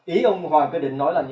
ý ông hoàng cơ định nói là